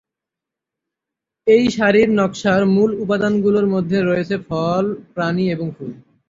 এই শাড়ির নকশার মূল উপাদানগুলির মধ্যে রয়েছে ফল, প্রাণী এবং ফুল।